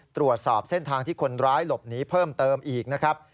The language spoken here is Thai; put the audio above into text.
ตรวจสอบเส้นทางที่คนร้ายหลบหนีเพิ่มเติมอีกนะครับ